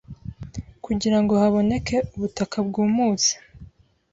kugira ngo haboneke ubutaka bwumutse